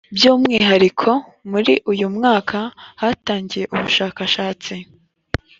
byu umwihariko muri uyu mwaka hatangiye ubushakashatsi